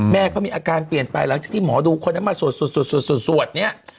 แม่เขามีอาการเปลี่ยนไปหลังจากที่หมอดูคนนั้นมาสวดเนี่ย